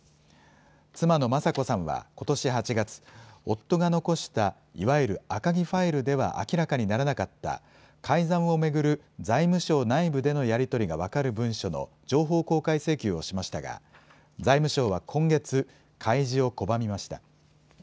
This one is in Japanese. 妻の雅子さんはことし８月、夫が残した、いわゆる赤木ファイルでは明らかにならなかった、改ざんを巡る財務省内部でのやり取りが分かる文書の情報公開請求をしましたが、財務省は今月、開示を拒みました。